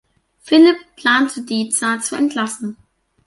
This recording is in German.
Philipp plante Deza zu entlassen.